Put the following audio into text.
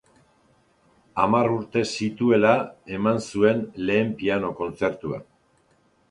Hamar urte zituela eman zuen lehen piano-kontzertua.